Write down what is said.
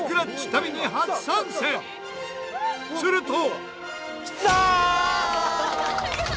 すると。